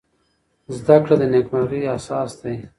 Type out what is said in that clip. زده کړه د نېکمرغۍ اساس دی.